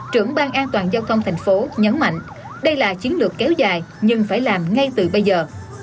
trưởng ban an toàn giao thông thành phố nhấn mạnh đây là chiến lược kéo dài nhưng phải làm ngay từ bây giờ